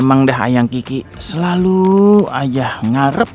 emang dah ayam kiki selalu aja ngarep